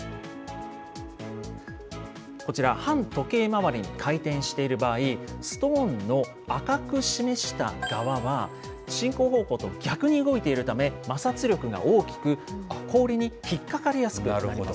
こちら、反時計回りに回転している場合、ストーンの赤く示した側は、進行方向と逆に動いているため、摩擦力が大きく、氷に引っ掛かりやすくなるわけです。